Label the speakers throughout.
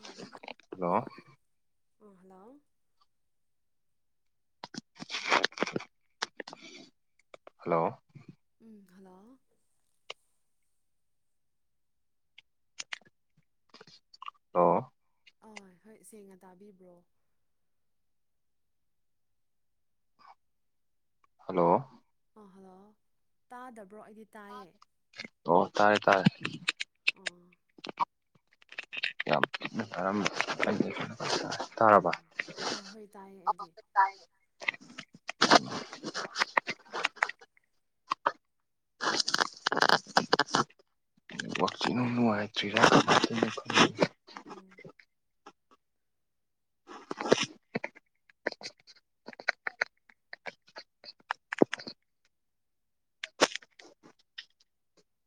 Speaker 1: ꯎꯝ
Speaker 2: hello
Speaker 1: ꯎ hello
Speaker 2: hello
Speaker 1: ꯎꯝ hello
Speaker 2: ꯑꯣ
Speaker 1: ꯑ ꯍꯣꯏ ꯁꯦꯡꯅ ꯇꯥꯕꯤꯕ꯭ꯔꯣ
Speaker 2: ꯍꯦꯜꯂꯣ
Speaker 1: ꯑꯥ ꯍꯜꯂꯣ ꯇꯥꯗꯕ꯭ꯔꯣ ꯑꯩꯗꯤ ꯇꯥꯏꯌꯦ
Speaker 2: ꯑꯣ ꯇꯥꯔꯦ ꯇꯥꯔꯦ
Speaker 1: ꯑꯝ
Speaker 2: ꯌꯥꯝ ꯀꯔꯝ [inaudible]
Speaker 1: ꯑꯣ ꯑꯥ ꯍꯣꯏ ꯇꯥꯏꯌꯦ ꯑꯩꯗꯤ
Speaker 2: ꯇꯥꯢ [inaudible] ꯅꯦꯠꯋꯥꯛꯁꯥꯅ ꯅꯨꯡꯉꯥꯏꯇ꯭ꯔꯤꯔꯥ
Speaker 1: ꯎꯝ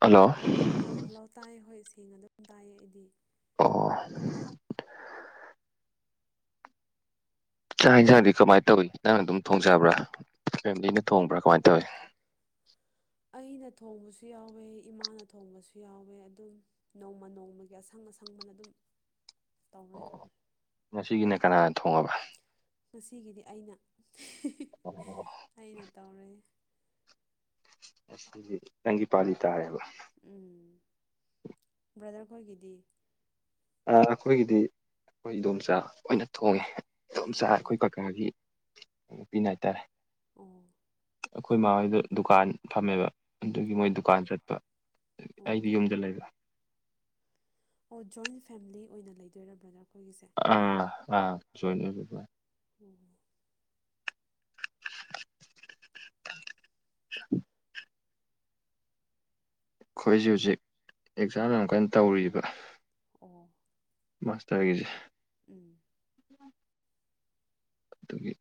Speaker 2: ꯍꯜꯂꯣ
Speaker 1: ꯑꯥ ꯍꯜꯂꯣ ꯑꯣ ꯇꯥꯏꯌꯦ ꯍꯣꯏ ꯁꯦꯡꯅ ꯑꯗꯨꯝ ꯇꯥꯏꯌꯦ ꯑꯩꯗꯤ
Speaker 2: ꯑꯣ ꯆꯥꯛ ꯌꯦꯟꯁꯥꯡꯗꯤ ꯀꯃꯥꯏꯅ ꯊꯧꯏ ꯅꯪꯅ ꯑꯗꯨꯝ ꯊꯣꯡꯖꯕ꯭ꯔꯥ ꯐꯦꯃꯤꯂꯤꯅ ꯊꯣꯡꯕ꯭ꯔꯥ ꯀꯃꯥꯏꯅ ꯇ
Speaker 1: ꯀꯃꯥꯢ ꯇꯧꯋꯤ ꯑꯩꯅ ꯊꯣꯡꯕꯁꯨ ꯌꯥꯎꯋꯦ ꯏꯃꯥꯅ ꯊꯣꯡꯕꯁꯨ ꯌꯥꯎꯋꯦ ꯑꯗꯨꯝ ꯅꯣꯡꯃ ꯅꯣꯡꯃꯒꯤ ꯑꯁꯪ ꯑꯁꯪꯕꯅ ꯑꯗꯨꯝ ꯇꯧꯔꯦ
Speaker 2: ꯑꯣ ꯉꯁꯤꯒꯤꯅ ꯀꯅꯥꯅ ꯊꯣꯡꯉꯕ
Speaker 1: ꯉꯁꯤꯒꯤꯗꯤ ꯑꯩꯅ
Speaker 2: ꯑꯣ [inaudible]
Speaker 1: ꯑꯩꯅ ꯇꯧꯔꯦ
Speaker 2: ꯑꯁꯤꯗꯤ ꯅꯪꯒꯤ ꯄꯥꯂꯤ ꯇꯥꯔꯦꯕ
Speaker 1: ꯎꯝ ꯕ꯭ꯔꯗꯔꯈꯣꯏꯒꯤꯗꯤ
Speaker 2: ꯑꯩꯈꯣꯏꯒꯤꯗꯤ ꯑꯩꯈꯣꯏ ꯏꯗꯣꯝꯆꯥꯅ ꯈꯣꯏꯅ ꯊꯣꯡꯉꯦ ꯏꯗꯣꯝꯆꯥ
Speaker 1: ꯑꯣ
Speaker 2: ꯑꯩꯈꯣꯏ ꯀꯀꯥꯒꯤ ꯅꯨꯄꯤꯅ ꯍꯥꯏꯇꯥꯔꯦ
Speaker 1: ꯑꯣ
Speaker 2: ꯑꯩꯈꯣꯏ ꯃꯥ ꯍꯣꯏꯗꯣ ꯗꯨꯀꯥꯟ ꯐꯝꯃꯦꯕ ꯑꯗꯨꯒꯤ ꯃꯣꯏ
Speaker 1: ꯑꯣ
Speaker 2: ꯗꯨꯀꯥꯟ ꯆꯠꯄ
Speaker 1: ꯑꯣ
Speaker 2: ꯑꯩꯗꯤ ꯌꯨꯝꯗ ꯂꯩꯕ
Speaker 1: ꯑꯣ ꯖꯣꯏꯟ ꯐꯦꯃꯤꯂꯤ ꯑꯣꯏꯅ ꯂꯩꯗꯣꯏꯔ ꯕ꯭ꯔꯗꯔ ꯈꯣꯏꯒꯤꯁꯦ
Speaker 2: ꯑꯥ ꯑꯥ ꯖꯣꯏ
Speaker 1: ꯎꯝ
Speaker 2: [unintelligible] ꯑꯩꯈꯣꯏꯁꯦ ꯍꯧꯖꯤꯛ ꯑꯦꯛꯖꯥꯝ ꯌꯥꯝ ꯀꯟꯅ ꯇꯧꯔꯤꯕꯥ
Speaker 1: ꯑꯣ
Speaker 2: ꯃꯥꯁꯇꯔꯥꯒꯤꯁꯦ
Speaker 1: ꯎꯝ
Speaker 2: ꯑꯗꯨꯒꯤ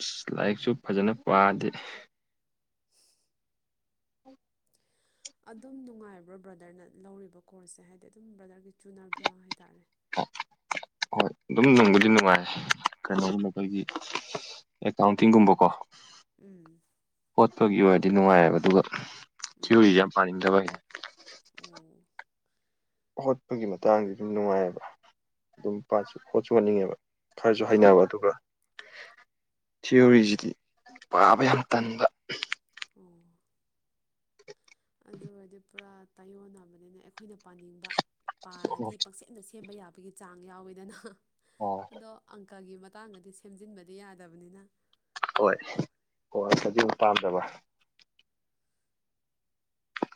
Speaker 2: ꯑꯁ ꯂꯥꯏꯔꯤꯛꯁꯨ ꯐꯖꯅ ꯄꯥꯗꯦ
Speaker 1: [unintelligible]
Speaker 2: [unintelligible]
Speaker 1: ꯑꯗꯨꯝ ꯅꯨꯡꯉꯥꯏꯕ꯭ꯔꯣ ꯕ꯭ꯔꯗꯔꯅ ꯂꯧꯔꯤꯕ ꯀꯣꯔꯁꯁꯦ ꯍꯥꯏꯗꯤ ꯑꯗꯨꯝ ꯕ꯭ꯔꯗꯔꯒꯤ ꯆꯨꯅꯕ꯭ꯔꯥ ꯍꯥꯏꯇꯥꯔꯦ
Speaker 2: ꯍꯣꯏ ꯑꯗꯨꯝ ꯅꯨꯡꯕꯨꯗꯤ ꯅꯨꯡꯉꯥꯏ ꯀꯩꯅꯣꯒꯤ ꯈꯣꯏꯒꯤ ꯑꯦꯀꯥꯎꯟꯇꯤꯡꯒꯨꯝꯕꯀꯣ
Speaker 1: ꯎꯝ
Speaker 2: ꯍꯣꯠꯄꯒꯤ ꯑꯣꯏꯔꯗꯤ ꯅꯨꯡꯉꯥꯏꯑꯦꯕ ꯑꯗꯨꯒ
Speaker 1: ꯎꯝ
Speaker 2: ꯊꯤꯌꯋꯔꯤꯁꯦ ꯌꯥꯝ ꯄꯥꯅꯤꯡꯗꯕ
Speaker 1: ꯑꯣ
Speaker 2: ꯍꯣꯠꯄꯒꯤ ꯃꯇꯥꯡꯗꯤ ꯑꯗꯨꯝ ꯅꯨꯡꯉꯥꯏꯑꯦꯕ ꯑꯗꯨꯝ ꯄꯥ ꯍꯣꯠꯁꯨ ꯍꯣꯠꯅꯤꯡꯉꯦꯕ ꯈꯔꯁꯨ ꯍꯅꯕ
Speaker 1: ꯎꯝ
Speaker 2: ꯑꯗꯨꯒ ꯊꯤꯑꯣꯣꯔꯤꯁꯤꯗꯤ ꯄꯥꯕ ꯌꯥꯝ ꯇꯟꯒ
Speaker 1: ꯑꯣ ꯑꯗꯨ ꯑꯣꯏꯔꯗꯤ ꯄꯨꯔꯥ ꯇꯥꯏꯌꯣꯟꯅꯕꯅꯤꯅ ꯑꯩꯈꯣꯏꯅ ꯄꯥꯅꯤꯡꯕ ꯄꯥꯔꯗꯤ ꯄꯛꯆꯦ ꯑꯗ ꯁꯦꯝꯕ ꯌꯥꯕꯒꯤ ꯆꯥꯡ ꯌꯥꯎꯋꯤꯗꯅ
Speaker 2: ꯑꯣ
Speaker 1: ꯑꯗꯣ ꯑꯪꯀꯒꯤ ꯃꯇꯥꯡꯗꯗꯤ ꯁꯦꯝꯖꯤꯟꯕꯗꯤ ꯌꯥꯗꯕꯅꯤꯅ
Speaker 2: ꯍꯣꯏ ꯍꯣꯏ ꯐꯗꯤ ꯑꯃ ꯄꯥꯝꯖꯕ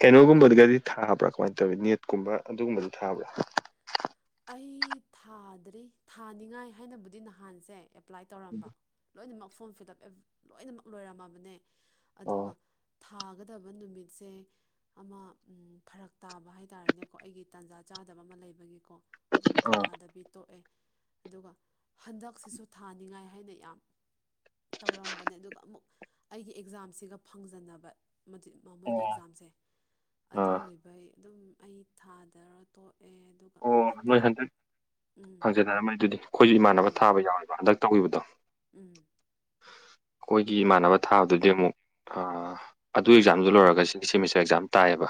Speaker 2: ꯑꯦꯅꯣꯒꯨꯝꯕꯗꯒꯗꯤ ꯊꯥꯕ꯭ꯔꯥ ꯀꯃꯥꯏꯅ ꯇꯧꯋꯤ ꯅꯦꯠꯀꯨꯝꯕ ꯑꯗꯨꯒꯨꯝꯕꯗꯤ ꯊꯥꯕ꯭ꯔꯥ
Speaker 1: ꯑꯩ ꯊꯥꯗ꯭ꯔꯤ ꯊꯥꯅꯤꯉꯥꯏ ꯍꯥꯏꯅꯕꯨꯗꯤ ꯅꯍꯥꯟꯁꯦ ꯑꯦꯄ꯭ꯂꯥꯏ ꯇꯧꯔꯝꯕ ꯂꯣꯏꯅꯃꯛ ꯐꯣꯔꯝ ꯐꯤꯜ ꯑꯞ ꯂꯣꯏꯅꯃꯛ ꯂꯣꯏꯔꯝꯃꯕꯅꯦ
Speaker 2: ꯑꯣ
Speaker 1: ꯑꯗꯨꯒ ꯊꯥꯒꯗꯕ ꯅꯨꯃꯤꯠꯁꯦ ꯑꯃ ꯐꯔꯛ ꯇꯥꯕ ꯍꯥꯏꯇꯥꯥꯔꯦꯅꯦꯀꯣ ꯑꯩꯒꯤ ꯇꯥꯟꯖꯥ ꯆꯥꯗꯕ ꯑꯃ ꯂꯩꯕꯒꯤꯀꯣ ꯑꯗꯨꯝ
Speaker 2: ꯑꯥ
Speaker 1: ꯊꯥꯗꯕꯤ ꯇꯣꯛꯑꯦ ꯑꯗꯨꯒ ꯍꯟꯗꯛꯁꯤꯁꯨ ꯊꯥꯅꯤꯡꯉꯥꯏ ꯍꯥꯏꯅ ꯌꯥꯝ ꯇꯧꯔꯝꯕꯅꯦ ꯑꯗꯨꯒ ꯑꯃꯨꯛ ꯑꯩꯒꯤ ꯑꯦꯛꯖꯥꯝꯁꯤꯒ ꯐꯪꯖꯟꯅꯅꯕ ꯃꯣꯏꯒꯤ
Speaker 2: ꯑꯣ
Speaker 1: ꯑꯦꯛꯖꯥꯝꯁꯦ ꯑꯗꯨ
Speaker 2: ꯑꯥ
Speaker 1: ꯑꯣꯏꯕꯩ ꯑꯗꯨꯝ ꯑꯩ ꯊꯥꯗꯔ ꯇꯣꯛꯑꯦ ꯑꯗꯨꯒ
Speaker 2: ꯑꯣ ꯅꯣꯏ ꯍꯟꯗꯛ
Speaker 1: ꯎꯝ
Speaker 2: ꯍꯪꯖꯅꯔꯝꯃꯦꯣꯏ ꯑꯗꯨꯗꯤ ꯑꯩꯈꯣꯏꯁꯨ ꯏꯃꯥꯟꯅꯕ
Speaker 1: ꯎꯝ
Speaker 2: ꯊꯥꯕ ꯌꯥꯎꯋꯦꯕ ꯍꯟꯗꯛ ꯇꯧꯈꯤꯕꯗꯣ
Speaker 1: ꯎꯝ
Speaker 2: ꯑꯩꯈꯣꯏꯒꯤ ꯏꯃꯥꯟꯅꯕ ꯊꯥꯗꯨꯗꯤ ꯑꯃꯨꯛ ꯑꯗꯨ ꯑꯦꯛꯖꯥꯝꯗꯨ ꯂꯣꯏꯔꯒ ꯁꯤꯗꯤ ꯁꯦꯃꯤꯁꯇꯔ ꯑꯦꯛꯖꯥꯝ ꯇꯥꯏꯌꯦꯕ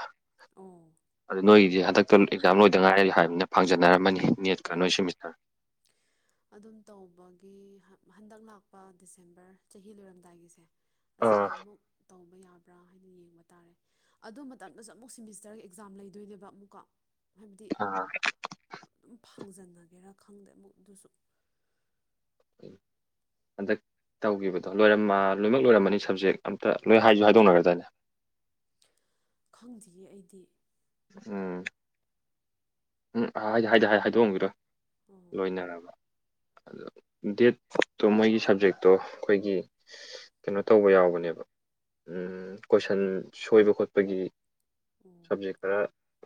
Speaker 1: ꯑꯣ
Speaker 2: ꯑꯗꯨ ꯅꯣꯏꯒꯤꯗꯤ ꯍꯟꯗꯛꯇ ꯑꯦꯛꯖꯥꯝ ꯂꯣꯏꯗ ꯉꯥꯏꯔ ꯍꯥꯏꯕꯅꯤꯅ ꯐꯪꯖꯅꯔꯝꯃꯅꯤ ꯅꯦꯠꯀ ꯅꯣꯏ
Speaker 1: ꯎꯝ
Speaker 2: ꯁꯦꯃꯤꯁꯇꯔ
Speaker 1: ꯑꯗꯨꯝ ꯇꯧꯕꯒꯤ ꯍꯟꯗꯛ ꯂꯥꯛꯄ ꯗꯤꯁꯦꯝꯕꯔ ꯆꯍꯤ ꯂꯣꯏꯔꯝꯗꯥꯏꯒꯤꯁꯦ ꯑꯁꯤꯗ ꯑꯃꯨꯛ ꯇꯧꯕ ꯌꯥꯕ꯭ꯔꯥ ꯍꯥꯏꯅ ꯌꯦꯡꯕ ꯇꯥꯔꯦ ꯑꯗꯨ ꯃꯇꯝꯗꯁꯨ ꯑꯃꯨꯛ ꯁꯤꯦꯃꯤꯁꯇꯔꯒꯤ ꯑꯦꯛꯖꯥꯝ ꯂꯩꯗꯣꯏꯅꯦꯕ ꯑꯃꯨꯛꯀ ꯍꯥꯏꯕꯗꯤ
Speaker 2: ꯑ
Speaker 1: ꯑꯗꯨꯝ ꯐꯥꯡꯖꯟꯅꯒꯦꯔꯥ ꯈꯪꯗꯦ ꯑꯃꯨꯛ ꯑꯗꯨꯁꯨ
Speaker 2: ꯎꯝ ꯍꯟꯗꯛ ꯇꯧꯈꯤꯕꯗꯣ ꯂꯣꯏꯔꯝꯃ ꯂꯣꯏꯅꯃꯛ ꯂꯣꯏꯔꯝꯃꯅꯤ ꯁꯞꯖꯦꯛ ꯑꯝꯇ ꯂꯣꯏ ꯍꯥꯏꯁꯨꯨ ꯍꯥꯏꯗꯣꯛꯅꯒ꯭ꯔꯗꯅꯦ
Speaker 1: ꯈꯪꯗ꯭ꯔꯤꯉ ꯑꯩꯗꯤ
Speaker 2: ꯎꯝ ꯎꯝ ꯍꯥꯏꯗꯤ ꯍꯥꯏꯗꯤ ꯍꯥꯏ ꯍꯥꯏꯗꯣꯛꯑꯝꯁꯤꯔꯣ
Speaker 1: ꯑꯣ
Speaker 2: ꯂꯣꯏꯅꯔꯕ ꯑ ꯗꯦꯠꯠꯇꯣ ꯃꯣꯏꯒꯤ ꯁꯕꯖꯦꯛꯇꯣ ꯑꯩꯈꯣꯏꯒꯤ ꯀꯩꯅꯣ ꯇꯧꯕ ꯌꯥꯎꯕꯅꯦꯕ ꯀꯣꯏꯁꯟ ꯁꯣꯏꯕ ꯈꯣꯠꯄꯒꯤ
Speaker 1: ꯑꯣ
Speaker 2: ꯁꯕꯖꯦꯛ ꯈꯔ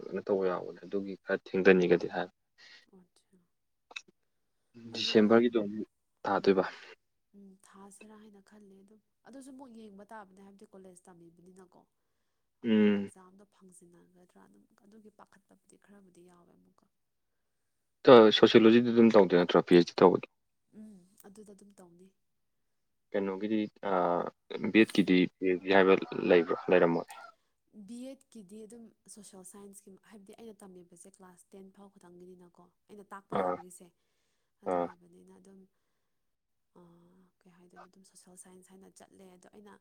Speaker 2: ꯀꯩꯅꯣ ꯇꯧꯕ ꯌꯥꯎꯕꯅꯦ ꯑꯗꯨꯒꯤ ꯈꯔ ꯊꯦꯡꯊꯅꯤꯡꯒꯗꯤ ꯍꯥꯏꯕ
Speaker 1: ꯑꯆꯥꯥ ꯑꯗꯣ
Speaker 2: ꯗꯤꯁꯦꯝꯕꯔꯒꯤꯗꯣ ꯑꯃꯨꯛ
Speaker 1: ꯎꯝ
Speaker 2: ꯊꯥꯗꯣꯏꯕ
Speaker 1: ꯎꯝ ꯊꯥꯁꯤꯔꯥ ꯍꯥꯏꯅ ꯈꯜꯂꯦ ꯑꯗꯣ ꯑꯗꯨꯁꯨ ꯑꯃꯨꯛ ꯌꯦꯡꯕ ꯇꯥꯕꯅꯦ ꯍꯥꯏꯕꯗꯤ ꯀꯣꯂꯦꯖ ꯇꯝꯃꯤꯕꯅꯤꯅꯀꯣ ꯑꯃꯨꯛ
Speaker 2: ꯎꯝ
Speaker 1: ꯑꯦꯛꯖꯥꯝꯗꯣ ꯐꯪꯖꯟꯅꯒꯗ꯭ꯔꯥ ꯑꯗꯨꯝ ꯑꯗꯨꯒꯤ ꯄꯥꯈꯠꯄꯕꯨꯗꯤ ꯈꯔꯕꯨꯗꯤ ꯌꯥꯎꯋꯦ ꯑꯃꯨꯛꯀ
Speaker 2: ꯁꯣꯁꯤꯌꯂꯣꯖꯤꯗꯤ ꯑꯗꯨꯝ ꯇꯧꯗꯦ ꯅꯠꯇ꯭ꯔꯣ ꯄꯤ ꯑꯩꯆ ꯗꯤ ꯇꯧꯕꯗꯤ
Speaker 1: ꯎꯝ ꯑꯗꯨꯗ ꯑꯗꯨꯝ ꯇꯧꯅꯤ
Speaker 2: ꯀꯩꯅꯣꯒꯤꯗꯤ ꯕꯤꯦꯠꯀꯤꯗꯤ ꯕꯤ ꯑꯦꯁ ꯖꯤ ꯍꯥꯏꯕ ꯂꯩꯕ꯭ꯔꯥ ꯂꯩꯔꯝꯃꯣ
Speaker 1: ꯕꯤ ꯑꯦꯗꯀꯤꯗꯤ ꯑꯗꯨꯝ ꯁꯣꯁꯦꯜ ꯁꯥꯏꯟꯁꯀꯤ ꯍꯥꯏꯕꯗꯤ ꯑꯩꯅ ꯇꯝꯂꯤꯕꯁꯦ ꯀ꯭ꯂꯥꯁ ꯇꯦꯟ ꯐꯥꯎ ꯈꯛꯇꯪꯒꯤꯅꯤꯅꯀꯣ ꯑꯩꯅ ꯇꯥꯛꯄ
Speaker 2: ꯑꯥ
Speaker 1: ꯌꯥꯕꯒꯤꯁꯦ ꯑꯗꯨ
Speaker 2: ꯑꯥ
Speaker 1: ꯑꯣꯏꯕꯅꯤꯅ ꯑꯗꯨꯝ ꯀꯩ ꯍꯥꯏꯥꯏꯗꯣꯏꯅꯣ ꯑꯗꯨꯝ ꯁꯣꯁꯦꯜ ꯁꯥꯏꯟꯁ ꯍꯥꯏꯅ ꯆꯠꯂꯦ ꯑꯗꯣ ꯑꯩꯅ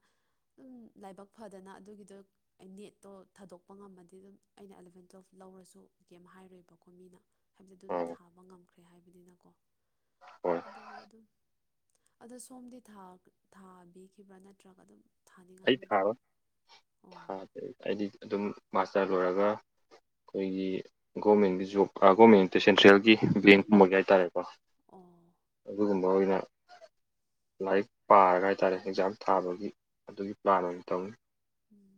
Speaker 1: ꯑꯗꯨꯝ ꯂꯥꯏꯕꯛ ꯐꯗꯅ ꯑꯗꯨꯒꯤꯗꯣ ꯑꯩ ꯅꯦꯠꯇꯣ ꯊꯥꯗꯣꯛꯄ ꯉꯝꯃꯗꯤ ꯑꯗꯨꯝ ꯑꯩꯅ ꯑꯦꯂꯕꯦꯟ ꯇꯨꯋꯦꯜꯞ ꯂꯧꯔꯁꯨ ꯀꯦꯝ ꯍꯥꯏꯔꯣꯏꯕꯀꯣ ꯃꯤꯅ ꯍꯥꯏꯕꯗꯤ ꯑꯗꯨꯗ
Speaker 2: ꯑꯥ
Speaker 1: ꯊꯥꯕ ꯉꯝꯈ꯭ꯔꯦ ꯍꯥꯏꯕꯅꯤꯅꯀꯣ
Speaker 2: ꯍꯣꯏ
Speaker 1: ꯑꯗꯨꯕꯨꯗ ꯑꯗꯨꯝ ꯑꯗꯣ ꯁꯣꯝꯗꯤ ꯊꯥꯕꯤꯈꯤꯕ꯭ꯔꯥ ꯅꯠꯇ꯭ꯔꯒ ꯑꯗꯨꯝ
Speaker 2: ꯑꯩ
Speaker 1: ꯊꯥꯅꯤꯡꯉꯥꯏꯒꯗꯤ
Speaker 2: ꯊꯥꯕ ꯊꯥ
Speaker 1: ꯑꯣ
Speaker 2: ꯑꯩꯗꯤ ꯑꯗꯨꯝ ꯃꯥꯁꯇꯔ ꯂꯣꯏꯔꯒ ꯑꯩꯈꯣꯏꯒꯤ ꯒꯣꯔꯃꯦꯟꯒꯤ ꯖꯣꯕ ꯒꯣꯔꯃꯦꯟ ꯑ ꯁꯦꯟꯇ꯭ꯔꯦꯜꯒꯤ ꯕꯦꯡꯀꯨꯝꯕꯒꯤ ꯍꯥꯏꯇꯥꯔꯦꯀꯣ
Speaker 1: ꯑꯣ
Speaker 2: ꯑꯗꯨꯒꯨꯝ ꯃꯔꯨ ꯑꯣꯏꯅ ꯂꯥꯏꯔꯤꯛ ꯄꯥꯔꯒ ꯍꯥꯏꯇꯥꯔꯦ ꯑꯦꯛꯖꯥꯝ ꯊꯥꯕꯒꯤ ꯑꯗꯨꯒꯤ ꯄ꯭ꯂꯥꯟ ꯑꯣꯏꯅ ꯇꯧꯏꯤ
Speaker 1: ꯎꯝ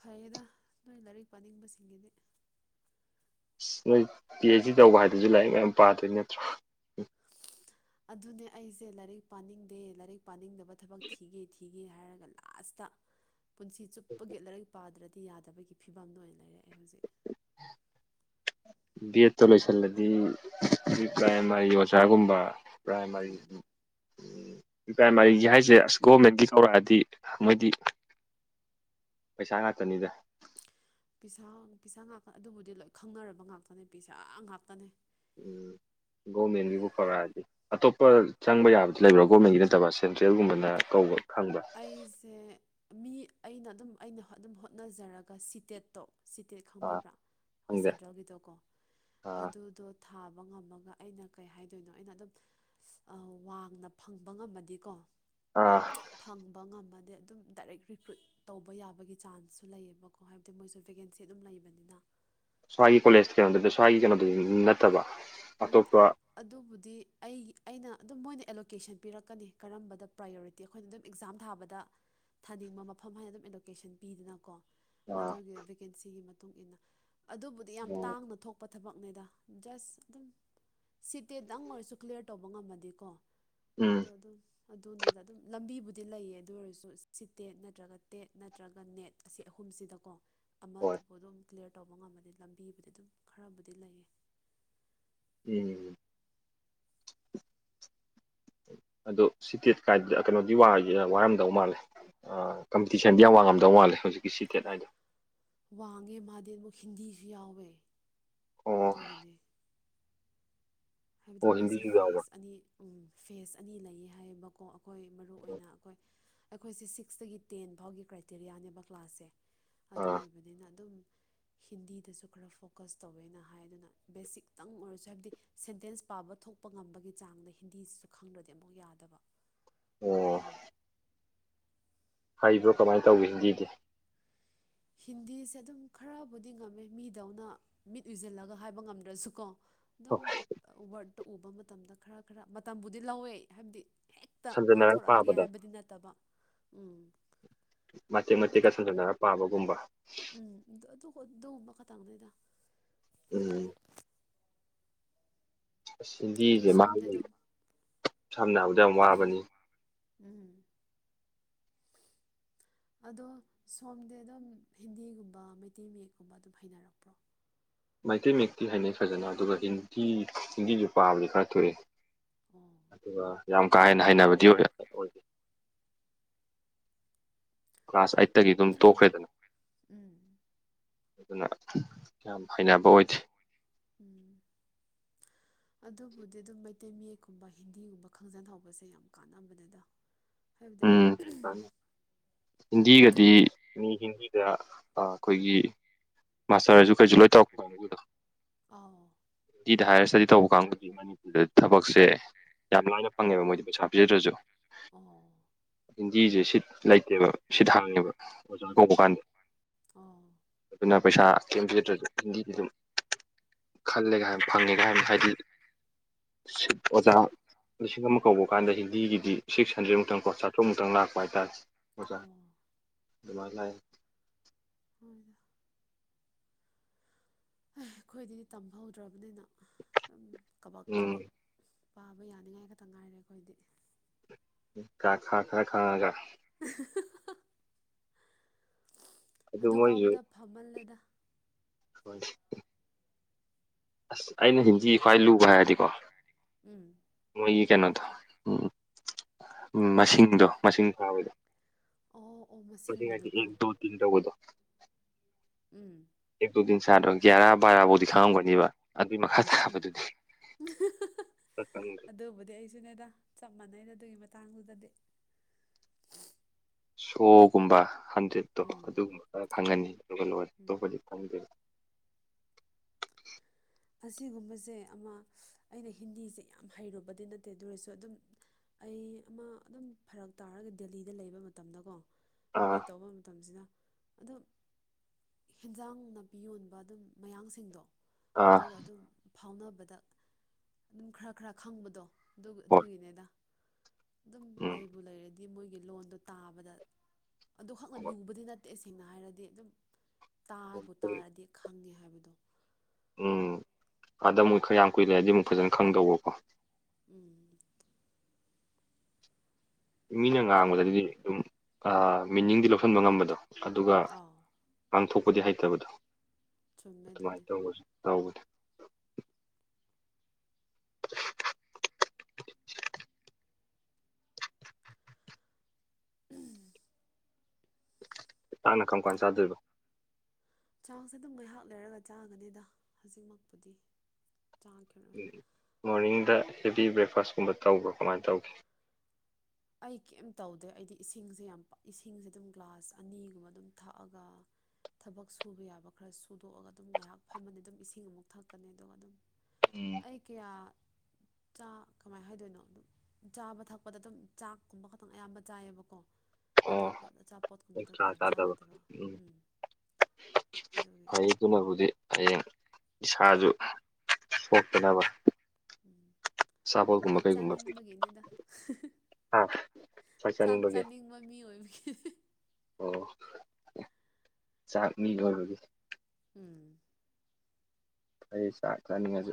Speaker 1: ꯐꯩꯌꯦꯗ ꯅꯣꯏ ꯂꯥꯏꯔꯤꯛ ꯄꯥꯅꯤꯡꯕꯁꯤꯡꯒꯤꯗꯤ
Speaker 2: ꯑ ꯅꯣꯏ ꯄꯤ ꯑꯩꯆ ꯗꯤ ꯇꯧꯕ ꯍꯥꯏꯗꯨꯁꯨ ꯂꯥꯏꯔꯤꯛ ꯃꯌꯥꯝ ꯄꯥꯗꯣꯏ ꯅꯠꯇ꯭ꯔꯣ
Speaker 1: ꯑꯗꯨꯅꯦ ꯑꯩꯁꯦ ꯂꯥꯏꯔꯤꯛ ꯄꯥꯅꯤꯡꯗꯦ ꯂꯥꯏꯔꯤꯛ ꯄꯥꯅꯤꯡꯗꯕ ꯊꯕꯛ ꯊꯤꯒꯦ ꯊꯤꯒ ꯒꯦ ꯍꯥꯏꯔꯒ ꯂꯥꯁꯇ ꯄꯨꯟꯁꯤ ꯆꯨꯞꯄꯒꯤꯒꯦꯂꯔꯩ ꯄꯥꯗ꯭ꯔꯗꯤ ꯗꯤ ꯌꯥꯗꯕꯒꯤ ꯐꯤꯕꯝꯗ ꯑꯣꯏꯅ ꯂꯩꯔꯛꯑꯦ ꯍꯧꯖꯤꯛ
Speaker 2: [unintelligible] ꯕꯤ ꯑꯦꯠꯇ ꯂꯣꯏꯁꯤꯜꯂꯗꯤ ꯄ꯭ꯔꯥꯏꯃꯥꯔꯤ ꯑꯣꯖꯥꯒꯨꯝꯕ ꯄ꯭ꯔꯥꯏꯃꯥꯔꯤ
Speaker 1: ꯎꯝ
Speaker 2: ꯄ꯭ꯔꯥꯏꯃꯥꯔꯤꯒꯤ ꯍꯥꯏꯁꯦ ꯑꯁ ꯒꯣꯔꯃꯦꯟꯒꯤ ꯇꯧꯔꯛꯑꯗꯤ ꯃꯣꯏꯗꯤ ꯄꯩꯁꯥ ꯉꯥꯛꯇꯅꯤꯗ
Speaker 1: ꯄꯁꯥ ꯄꯁꯥ ꯉꯥꯛꯇ ꯑꯗꯨꯕꯨꯗꯤ ꯂꯣꯏ ꯈꯪꯅꯔꯕ ꯉꯥꯛꯇꯅꯦ ꯄꯩꯁꯥ ꯉꯥꯛꯇꯅꯤ
Speaker 2: ꯎꯝ ꯒꯣꯔꯃꯦꯟꯒꯤꯕꯨ ꯐꯔꯛꯑꯗꯤ ꯑꯇꯣꯞꯄ ꯆꯪꯕ ꯌꯥꯕꯗꯤ ꯂꯩꯕ꯭ꯔꯥ ꯒꯣꯔꯃꯦꯟꯒꯤ ꯅꯠꯇꯕ ꯁꯦꯟꯇ꯭ꯔꯦꯜꯒꯨꯝꯕꯅ ꯀꯧꯕ ꯈꯪꯕ
Speaker 1: ꯑꯩꯁꯦ ꯃꯤ ꯑꯩꯅ ꯑꯗꯨꯝ ꯑꯩꯅ ꯑꯗꯨꯝ ꯍꯣꯠꯅꯖꯔꯒ ꯁꯤꯇꯦꯠꯇꯣ ꯁꯤꯇꯦꯠ
Speaker 2: ꯑꯥ
Speaker 1: ꯈꯪꯕꯤꯕ꯭ꯔꯥ ꯑꯩꯣꯏ
Speaker 2: ꯈꯪꯗꯦ
Speaker 1: ꯁꯦꯟꯇ꯭ꯔꯦꯜꯒꯤꯗꯣꯀꯣ
Speaker 2: ꯑꯥ
Speaker 1: ꯑꯗꯨꯗꯣ ꯊꯥꯕ ꯉꯝꯃꯒ ꯑꯩꯅ ꯀꯩ ꯍꯥꯏꯗꯣꯏꯅꯣ ꯑꯩꯅ ꯑꯗꯨꯝ ꯋꯥꯡꯅ ꯐꯪꯕ ꯉꯝꯃꯗꯤꯀꯣ
Speaker 2: ꯑꯥ
Speaker 1: ꯐꯪꯕ ꯉꯝꯃꯗꯤ ꯑꯗꯨꯝ ꯗꯥꯏꯔꯦꯛ ꯔꯤꯀ꯭ꯔꯨꯏꯠ ꯇꯧꯕ ꯌꯥꯕꯒꯤ ꯆꯥꯟꯁꯁꯨ ꯂꯩꯌꯦꯕꯀꯣ ꯍꯥꯏꯕꯗꯤ ꯃꯣꯏꯁꯨ ꯕꯦꯀꯦꯟꯁꯤ ꯑꯗꯨꯝ ꯂꯩꯕꯅꯤꯅ
Speaker 2: ꯁ꯭ꯋꯥꯏꯒꯤ ꯀꯣꯂꯦꯖꯇ ꯀꯗꯗꯤ ꯁ꯭ꯋꯥꯒꯤ ꯀꯩꯅꯣꯗꯤ ꯅꯠꯇꯕ
Speaker 1: ꯎꯝ
Speaker 2: ꯑꯇꯣꯞꯄ
Speaker 1: ꯑꯗꯨꯕꯨꯗꯤ ꯑꯩꯒꯤ ꯑꯩꯅ ꯑꯗꯨꯝ ꯃꯣꯏꯅ ꯑꯦꯂꯣꯀꯦꯁꯟ ꯄꯤꯔꯛꯀꯅꯤ ꯀꯔꯝꯕꯗ ꯄ꯭ꯔꯥꯏꯌꯣꯔꯤꯇꯤ ꯤ ꯑꯩꯈꯣꯏꯅ ꯑꯗꯨꯝ ꯑꯦꯛꯖꯥꯝ ꯊꯥꯕꯗ ꯊꯥꯅꯤꯡꯕ ꯃꯐꯝ ꯍꯥꯏꯅ ꯑꯗꯨꯝ ꯑꯦꯂꯣꯀꯦꯁꯟ ꯄꯤꯗꯅꯀꯣ
Speaker 2: ꯑꯥ
Speaker 1: ꯑꯗꯨꯒꯤ ꯚꯦꯀꯦꯟꯁꯤꯒꯤ ꯃꯇꯨꯡ ꯃꯇꯨꯡꯏꯟꯅ ꯑꯗꯨꯕꯨꯗꯤ ꯌꯥꯝ ꯇꯥꯡꯅ ꯊꯣꯛ ꯄꯣ ꯊꯕꯛꯅꯗ ꯁ ꯑꯗꯨꯝ ꯁꯤꯠꯇꯤꯗꯪ ꯑꯣꯏꯔꯁꯨ ꯀ꯭ꯂꯤꯌꯥꯔ ꯇꯧꯕ ꯉꯝꯃꯗꯤꯀꯣ
Speaker 2: ꯎꯝ
Speaker 1: ꯑꯗꯣ ꯑꯗꯨꯝ ꯑꯗꯨꯅꯦꯗ ꯑꯗꯨꯝ ꯂꯝꯕꯤꯕꯨꯗꯤ ꯂꯩꯌꯦ ꯑꯗꯨ ꯑꯣꯏꯔꯁꯨ ꯁꯤꯇꯦꯠ ꯅꯠꯇ꯭ꯔꯒ ꯇꯦꯠ ꯅꯠꯇ꯭ꯔꯒ ꯅꯦꯠ ꯑꯁꯤ ꯑꯍꯨꯝꯁꯤꯗꯀꯣ
Speaker 2: ꯍꯣꯏ
Speaker 1: ꯑꯃꯗꯕꯨ ꯑꯗꯨꯝ ꯀ꯭ꯂꯤꯌꯥꯔ ꯇꯧꯕ ꯉꯝꯃꯗꯤ ꯂꯝꯕꯤꯕꯨꯗꯤ ꯑꯗꯨꯝ ꯈꯔꯕꯨꯗꯤ ꯂꯩꯌꯦ
Speaker 2: ꯎꯝ ꯑꯗꯣ ꯁꯤꯇꯦꯠ ꯀꯥꯏ ꯀꯩꯅꯣꯗꯤ ꯋꯥꯔꯝꯗꯧ ꯃꯥꯜꯂꯦ ꯀꯝꯄꯤꯇꯤꯁꯟꯗꯤ ꯌꯥꯝ ꯋꯥꯡꯉꯝꯗꯧ ꯃꯥꯜꯂꯦ ꯍꯧꯖꯤꯛꯀꯤ ꯁꯤꯇꯦꯠ ꯍꯥꯏꯗꯣ
Speaker 1: ꯋꯥꯡꯉꯦ ꯃꯥꯗꯤ ꯑꯃꯨꯛ ꯍꯤꯟꯗꯤꯁꯨ ꯌꯥꯎꯋꯦ
Speaker 2: ꯑꯣ
Speaker 1: ꯑꯗꯨꯒꯤꯅꯦ ꯍꯥꯏꯕꯗꯤ
Speaker 2: ꯑꯣ
Speaker 1: ꯃꯣꯏꯁꯦ
Speaker 2: ꯍꯤꯟꯗꯤꯁꯨ ꯌꯥꯎꯕ꯭ꯔꯥ
Speaker 1: ꯐꯦꯁ ꯑꯅꯤ ꯐꯦꯁ ꯑꯅꯤ ꯂꯩꯌꯦ ꯍꯥꯏꯌꯦꯕꯀꯣ ꯑꯩꯈꯣꯏ ꯃꯔꯨꯏ ꯑꯣꯏꯅ ꯑꯩꯈꯣꯏ ꯑꯩꯈꯣꯏꯁꯦ ꯁꯤꯛꯁꯇꯒꯤ ꯇꯦꯟ ꯐꯥꯎꯒꯤ ꯀ꯭ꯔꯥꯏꯇꯦꯔꯤꯌꯥꯅꯦꯕ ꯀ꯭ꯂꯥꯁꯁꯦ ꯑꯗꯨ
Speaker 2: ꯑꯥ
Speaker 1: ꯑꯣꯏꯕꯅꯤꯅ ꯑꯗꯨꯝ ꯍꯤꯟꯗꯤꯗꯁꯨ ꯈꯔ ꯐꯣꯀꯁ ꯇꯧꯋꯦꯅ ꯍꯥꯏꯗꯨꯅ ꯕꯦꯁꯤꯛꯇꯪ ꯑꯣꯏꯔꯁꯨ ꯍꯥꯏꯕꯗꯤ ꯁꯦꯟꯇꯦꯟꯁ ꯄꯥꯕ ꯊꯣꯛꯄ ꯉꯝꯕꯒꯤ ꯆꯥꯡꯗ ꯍꯤꯟꯗꯤꯁꯤꯁꯨ ꯈꯪꯗ꯭ꯔꯗꯤ ꯑꯃꯨꯛ ꯌꯥꯗꯕ
Speaker 2: ꯑꯣ
Speaker 1: ꯑꯗꯨꯒꯤ
Speaker 2: ꯍꯩꯕ꯭ꯔꯣ ꯀꯃꯥꯏꯅ ꯇꯧꯋꯤ ꯍꯤꯟꯗꯤꯗꯤ
Speaker 1: ꯍꯤꯟꯗꯤꯁꯦ ꯑꯗꯨꯝ ꯈꯔꯕꯨꯗꯤ ꯉꯝꯃꯦ ꯃꯤꯗꯧꯅ ꯃꯤꯠ ꯎꯨꯁꯤꯜꯂꯒ ꯍꯥꯏꯕ ꯉꯝꯗ꯭ꯔꯁꯨꯀꯣ ꯑꯗꯨꯝ ꯋꯥꯔꯠꯇ ꯎꯕ ꯃꯇꯝꯗ ꯈꯔ ꯈꯔ ꯃꯇꯝꯕꯨꯗꯤ ꯂꯧꯋꯦ ꯍꯥꯏꯕꯗꯤ ꯍꯦꯛꯇ
Speaker 2: ꯁꯝꯖꯟꯅꯔꯒ
Speaker 1: ꯉꯥꯡꯊꯣꯔꯛꯑꯒꯦ
Speaker 2: ꯄꯥꯕꯗ
Speaker 1: ꯍꯥꯏꯕꯗꯤ ꯅꯠꯇꯕ ꯎꯝ
Speaker 2: ꯃꯇꯦꯛ
Speaker 1: ꯑꯗꯨꯝ
Speaker 2: ꯃꯇꯦꯛꯀ
Speaker 1: ꯇꯞ
Speaker 2: ꯁꯝ ꯁꯣꯟꯟꯅꯔ ꯄꯥꯕꯒꯨꯝꯕ
Speaker 1: ꯎꯝ ꯑꯗꯨ ꯑꯗꯨ ꯃꯈꯥ ꯇꯪ ꯅꯣꯏꯗ
Speaker 2: ꯎꯝ ꯑꯁ
Speaker 1: ꯑꯗꯣ
Speaker 2: ꯁꯤꯟꯗꯤꯁꯦ ꯃꯥ
Speaker 1: ꯁꯣꯝꯗꯤ ꯑꯗꯨꯝ
Speaker 2: ꯁꯝꯅ ꯍꯥꯏꯔꯕꯗ ꯌꯥꯝ ꯋꯥꯕꯅꯤ
Speaker 1: ꯎꯝ
Speaker 2: [inaudible]
Speaker 1: ꯑꯗꯣ ꯁꯣꯝꯗꯤ ꯑꯗꯨꯝ ꯍꯤꯟꯗꯤꯒꯨꯝꯕ ꯃꯩꯇꯩ ꯃꯌꯦꯛꯀꯨꯝꯕ ꯑꯗꯨꯝ ꯍꯩꯅꯔꯛꯄ꯭ꯔꯣ
Speaker 2: ꯃꯩꯇꯩ ꯃꯛꯇꯤ ꯍꯥꯏꯅꯩ ꯐꯖꯅ ꯑꯗꯨꯒ ꯍꯤꯟꯗꯤ ꯍꯤꯟꯗꯤꯁꯨ ꯄꯥꯕꯗꯤ ꯈꯔ ꯊꯣꯛꯏꯏ
Speaker 1: ꯎꯝ
Speaker 2: ꯑ ꯌꯥꯝ ꯀꯥ ꯍꯦꯟꯅ ꯍꯕꯗꯤ ꯑꯣꯏ ꯀ꯭ꯂꯥꯁ ꯑꯩꯠꯇꯒꯤ ꯑꯗꯨꯝ ꯇꯣꯛꯈ꯭ꯔꯦꯗꯅ
Speaker 1: ꯎꯝ
Speaker 2: ꯑꯗꯨꯅ ꯌꯥꯝ ꯍꯩꯅꯕ ꯑꯣꯏꯗꯦ
Speaker 1: ꯎꯝ
Speaker 2: [inaudible]
Speaker 1: ꯑꯗꯨꯕꯨꯗꯤ ꯑꯗꯨꯝ ꯃꯩꯇꯩ ꯃꯌꯦꯛꯀꯨꯝꯕ ꯍꯤꯟꯗꯤꯒꯨꯝꯕ ꯈꯪꯖꯟꯍꯧꯕꯁꯦ ꯌꯥꯝ ꯀꯥꯟꯅꯕꯅꯦꯗ ꯍꯥꯏꯕꯗꯤ
Speaker 2: ꯎꯝ ꯍꯤꯟꯗꯤꯒꯗꯤ ꯃꯤ ꯍꯤꯟꯗꯤꯗ ꯑꯩꯈꯣꯏꯒꯤ ꯃꯥꯁꯇꯔꯁꯨ ꯀꯩꯁꯨ ꯂꯣꯏ ꯇꯧꯔꯛꯄ ꯀꯥꯡꯕꯨꯗꯣ
Speaker 1: ꯑꯥꯎ
Speaker 2: ꯑꯗꯨꯗꯤ ꯍꯥꯏꯌꯔ ꯏꯁꯇꯗꯤ ꯇꯧꯕ ꯀꯥꯡꯕꯨ ꯃꯅꯤꯄꯨꯔꯗ ꯊꯕꯛꯁꯦ ꯌꯥꯝ ꯂꯥꯏꯅ ꯐꯪꯉꯦꯕ ꯃꯣꯏꯗꯤ ꯄꯩꯁꯥ ꯄꯤꯖꯗ꯭ꯔꯁꯨ
Speaker 1: ꯑꯣ
Speaker 2: ꯍꯤꯟꯗꯤꯁꯦ ꯁꯤꯠ ꯂꯩꯇꯦꯕ ꯁꯤꯠ ꯍꯥꯡꯉꯦꯕ ꯑꯣꯖꯥ
Speaker 1: ꯎꯝ
Speaker 2: ꯇꯄ ꯀꯥꯟꯗ
Speaker 1: ꯑꯣ
Speaker 2: ꯑꯗꯨꯅ ꯄꯩꯁꯥ ꯀꯦꯝꯕꯤꯒꯗ꯭ꯔꯁꯨ ꯍꯤꯟꯗꯤ ꯑꯗꯨꯝ ꯈꯜꯂꯦꯒꯥꯏꯅ ꯐꯪꯉꯦ ꯀꯥꯏꯅ ꯍꯥꯏꯗꯤ ꯑꯣꯖꯥ ꯂꯤꯁꯤꯡ ꯑꯃ ꯀꯧꯕ ꯀꯥꯟꯗ ꯍꯤꯟꯗꯤꯒꯤꯗꯤ ꯁꯤꯛꯁ ꯍꯟꯗ꯭ꯔꯦꯗꯃꯨꯛꯇꯪ ꯆꯥꯊꯣꯛꯃꯨꯛꯇꯪ ꯂꯥꯛꯄ ꯍꯥꯏꯇꯥꯔꯦ ꯑꯣꯖꯥ
Speaker 1: ꯑꯣ
Speaker 2: ꯑꯗꯨꯃꯥꯏꯅ ꯂꯥꯛꯑꯦ
Speaker 1: ꯍꯣꯏꯗ ꯑꯩꯈꯣꯏꯗꯤꯗꯤ ꯇꯝꯍꯧꯗ꯭ꯔꯕꯅꯤꯅꯝ ꯀꯕ
Speaker 2: ꯎꯝ
Speaker 1: ꯀꯕꯛ ꯄꯥꯕ ꯌꯥꯅꯤꯉꯥꯏ ꯈꯛꯇ ꯉꯥꯏꯔꯦ ꯑꯩꯈꯣꯏꯗꯤ
Speaker 2: ꯈ ꯈꯥ ꯈꯥ ꯈꯥꯉꯖ
Speaker 1: ꯎ ꯑꯗꯨ ꯐꯥꯎꯕꯗ ꯐꯝꯃꯜꯂꯦꯗ
Speaker 2: ꯍꯣꯏ ꯑꯁ ꯑꯩꯅ ꯍꯤꯟꯖꯤ ꯈ꯭ꯋꯥꯏ ꯂꯨꯕ ꯍꯥꯏꯔꯗꯤꯀꯣ
Speaker 1: ꯎꯝ
Speaker 2: ꯀꯩꯅꯣ ꯊ ꯎꯝ ꯎ ꯑꯗꯣ ꯃꯁꯤꯡ ꯊꯥꯕꯗꯣ
Speaker 1: ꯑꯣ ꯑꯣ
Speaker 2: ꯃꯁꯤꯡ ꯍꯥꯏꯗꯤ ꯑꯦ
Speaker 1: ꯃꯁꯤꯡꯒꯤꯗꯣꯀꯣ
Speaker 2: ꯗꯣ ꯇꯤꯟ ꯇꯧꯕꯗꯣ
Speaker 1: ꯎꯝ
Speaker 2: ꯑꯦꯛꯇꯨꯗꯤꯤꯟ ꯁꯥꯗ꯭ꯔꯣ ꯒ꯭ꯌꯥꯔꯥ ꯕꯥꯔꯥꯐꯥꯎꯗꯤ ꯈꯪꯉꯝꯒꯅꯤꯕ ꯑꯗꯨꯏ ꯃꯈꯥ
Speaker 1: ꯎꯝ
Speaker 2: ꯇꯥꯕꯗꯨꯗꯤ ꯄꯁ
Speaker 1: ꯁꯤꯅꯦꯗ ꯆꯞ ꯃꯥꯟꯅꯩꯗ ꯑꯗꯨꯒꯤ ꯃꯇꯥꯡꯗꯨꯗꯗꯤ
Speaker 2: ꯁꯣꯒꯨꯝꯕ ꯍꯟꯗ꯭ꯔꯦꯗꯠꯇꯣ
Speaker 1: ꯎꯝ
Speaker 2: ꯑꯗꯨꯒꯨꯝꯕ ꯈꯔ ꯈꯪꯉꯅꯤ ꯑꯗꯨꯒ ꯂꯣꯏ
Speaker 1: ꯎꯝ
Speaker 2: ꯑꯇꯣꯞꯄꯗꯤ ꯈꯪꯗꯦ
Speaker 1: ꯑꯁꯤꯒꯨꯝꯕꯁꯦ ꯑꯃ ꯑꯩꯅ ꯍꯤꯟꯗꯤꯁꯦ ꯌꯥꯝ ꯍꯩꯔꯨꯕꯗꯤ ꯅꯠꯇꯦ ꯑꯗꯨ ꯑꯣꯏꯔꯁꯨ ꯑꯗꯨꯝ ꯑꯩ ꯑꯃ ꯑꯗꯨꯝ ꯐꯔꯛ ꯇꯥꯔꯒ ꯗꯦꯜꯂꯤꯗ ꯂꯩꯕ ꯃꯇꯝꯗꯀꯣ
Speaker 2: ꯑꯥ
Speaker 1: ꯑꯗꯨꯃꯥꯏꯅ ꯇꯧꯕ ꯃꯇꯝꯁꯤꯗ ꯑꯗꯨꯝ ꯍꯦꯟꯖꯥꯡ ꯅꯥꯄꯤ ꯌꯣꯟꯕ ꯑꯗꯨꯝ ꯃꯌꯥꯡꯁꯤꯡꯗꯣ
Speaker 2: ꯑꯥ
Speaker 1: ꯑꯗꯨꯒ ꯑꯗꯨꯝ ꯐꯥꯎꯅꯕꯗ ꯑꯗꯨꯝ ꯈꯔ ꯈꯔ ꯈꯪꯕꯗꯣ
Speaker 2: ꯍꯣꯏ
Speaker 1: ꯑꯗꯨꯒꯤꯅꯦꯗ ꯑꯗꯨꯝ
Speaker 2: ꯎꯝ
Speaker 1: ꯂꯩꯕꯨ ꯂꯩꯔꯗꯤ ꯗꯤ ꯃꯣꯏꯒꯤ ꯂꯣꯟꯗꯣ ꯇꯥꯕꯗ ꯑꯗꯨꯈꯛꯅ ꯂꯨꯕꯗꯤ ꯅꯠꯇꯦ ꯃꯇꯌꯦꯛ ꯁꯦꯡꯅ ꯍꯥꯏꯔꯗꯤ ꯑꯗꯨꯝ ꯇꯥꯕꯨ
Speaker 2: ꯍꯣꯏ
Speaker 1: ꯇꯥꯔꯗꯤ ꯈꯪꯉꯦ ꯍꯥꯏꯕꯗꯣ
Speaker 2: ꯎꯝ ꯑꯥꯗ ꯃꯨꯣꯏ ꯈꯔ ꯌꯥꯝ ꯀꯨꯏꯔꯦꯔꯗꯤ ꯑꯃꯨꯛ ꯐꯖꯅ ꯈꯪꯗꯧꯕꯀꯣ
Speaker 1: ꯎꯝ
Speaker 2: ꯃꯤꯅ ꯉꯥꯡꯕꯗꯗꯤ ꯑꯗꯨꯝ ꯃꯤꯅꯤꯡꯗꯤ ꯂꯧꯁꯤꯟꯕ ꯉꯝꯕꯗꯣ ꯑꯗꯨꯒ
Speaker 1: ꯑꯥꯎ
Speaker 2: ꯄꯥꯡꯊꯣꯛꯄꯗꯤ ꯍꯩꯇꯕꯗꯣ
Speaker 1: ꯆꯨꯝꯃꯦ ꯑꯗꯨꯅꯦ
Speaker 2: ꯑꯗꯨꯃꯥꯏꯅ ꯇꯧꯔꯁꯨ ꯇꯧꯕꯗꯤ
Speaker 1: ꯎꯝ
Speaker 2: ꯆꯥꯛꯅ ꯀꯔꯝ ꯀꯥꯟ ꯆꯥꯗꯣꯏꯕ
Speaker 1: ꯆꯥꯛꯁꯦ ꯑꯗꯨꯝ ꯉꯥꯏꯍꯥꯛ ꯂꯩꯔꯒ ꯆꯥꯒꯅꯤꯗ ꯍꯧꯖꯤꯛꯃꯛꯄꯨꯗꯤ ꯆꯥꯈꯤꯔꫭꯏ
Speaker 2: ꯃꯣꯔꯅꯤꯡꯗ ꯍꯦꯕꯤ ꯕ꯭ꯔꯦꯛꯐꯥꯁꯀꯨꯝꯕ ꯇꯧꯕ꯭ꯔꯥ ꯀꯃꯥꯏꯅ ꯇꯧꯒꯦ
Speaker 1: ꯑꯩ ꯀꯩꯝ ꯇꯧꯗꯦ ꯑꯩꯗꯤ ꯏꯁꯤꯡꯁꯦ ꯌꯥꯝ ꯏꯁꯤꯡꯁꯦ ꯑꯗꯨꯝ ꯒ꯭ꯂꯥꯁ ꯑꯅꯤꯒꯨꯝꯕ ꯑꯗꯨꯝ ꯊꯛꯑꯒ ꯊꯕꯛ ꯁꯨꯕ ꯌꯥꯕ ꯈꯔ ꯁꯨꯗꯣꯛꯑꯒ ꯑꯗꯨꯝ ꯉꯥꯏꯍꯥꯛ ꯐꯝꯃꯅꯤ ꯑꯗꯨꯝ ꯏꯁꯤꯡ ꯑꯃꯨꯛ ꯊꯛꯀꯅꯤ ꯑꯗꯨꯒ ꯑꯗꯨꯝ
Speaker 2: ꯎꯝ
Speaker 1: ꯑꯩ ꯀꯌꯥ ꯆꯥ ꯀꯃꯥꯏꯅ ꯍꯥꯏꯗꯣꯏꯅꯣ ꯑꯗꯨꯝ ꯆꯥꯕ ꯊꯛꯄꯗ ꯑꯗꯨꯝ ꯆꯥꯛꯀꯨꯝꯕ ꯈꯛꯇꯪ ꯑꯌꯥꯝꯕ ꯆꯥꯏꯌꯦꯕꯀꯣ
Speaker 2: ꯑꯣ
Speaker 1: ꯑꯇꯣꯞꯄꯗ ꯑꯆꯥ ꯄꯣꯠꯀꯨꯝꯕꯗꯣ ꯀꯌꯥ ꯆꯥꯗꯕ ꯎꯝ ꯑꯗꯨꯒꯤ
Speaker 2: ꯐꯩ ꯑꯗꯨꯅꯕꯨꯗꯤ ꯍꯌꯦꯡ ꯏꯁꯥꯁꯨ ꯁꯣꯛꯇꯅꯕ
Speaker 1: ꯎꯝ
Speaker 2: ꯑꯆꯥꯄꯣꯠꯀꯨꯝꯕ
Speaker 1: ꯈꯔ
Speaker 2: ꯀꯩꯒꯨꯝꯕ
Speaker 1: ꯆꯥꯅꯤꯡꯕꯒꯤꯅꯦꯗ ꯆꯥꯛ ꯆꯥꯅꯤꯡꯕ ꯃꯤ ꯑꯣꯏꯕꯒꯤ
Speaker 2: ꯑꯣ ꯆꯥꯛ ꯃꯤ ꯂꯣꯏꯕꯒꯤ
Speaker 1: ꯎꯝ꯫
Speaker 2: ꯑꯩ ꯆꯥꯛ ꯆꯥꯅꯤꯡꯉꯁꯨ